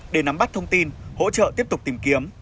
để nắm bắt thông tin hỗ trợ tiếp tục tìm kiếm